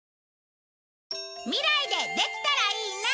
未来でできたらいいな。